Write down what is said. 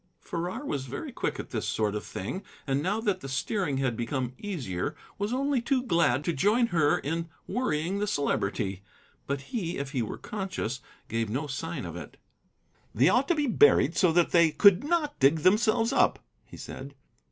Farrar was very quick at this sort of thing; and now that the steering had become easier was only too glad to join her in worrying the Celebrity. But he, if he were conscious, gave no sign of it. "They ought to be buried so that they could not dig themselves up," he said.